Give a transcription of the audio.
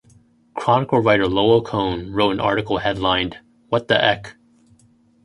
"Chronicle" writer Lowell Cohn wrote an article headlined "What the Eck?